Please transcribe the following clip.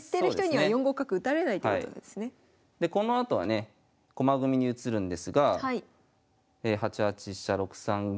でこのあとはね駒組みに移るんですが８八飛車６三銀。